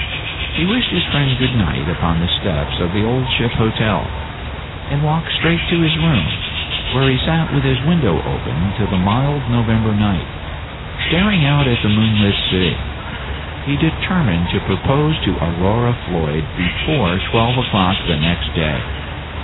He wished his friend good night upon the steps of the Old Ship Hotel, and walked straight to his room, where he sat with his window open to the mild November night, staring out at the moonlit sea. He determined to propose to Aurora Floyd before twelve o'clock the next day.